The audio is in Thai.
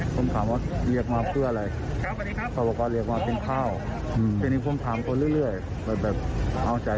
ผมถามว่าเรียกมาเพื่ออะไร